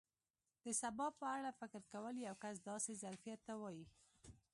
د سبا په اړه فکر کول یو کس داسې ظرفیت ته وایي.